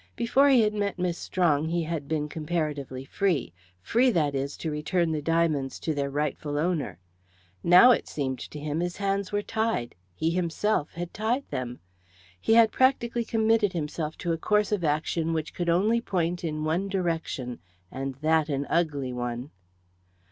Before he had met Miss Strong he had been, comparatively, free free, that is, to return the diamonds to their rightful owner. Now, it seemed to him, his hands were tied he himself had tied them. He had practically committed himself to a course of action which could only point in one direction, and that an ugly one.